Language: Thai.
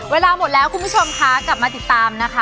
เวลาหมดแล้วคุณผู้ชมค่ะกลับมาติดตามนะคะ